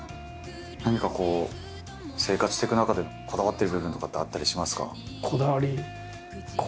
何かこう生活していく中でこだわってる部分とかってあったりしますか？